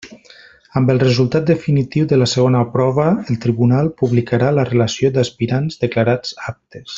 Amb el resultat definitiu de la segona prova, el tribunal publicarà la relació d'aspirants declarats aptes.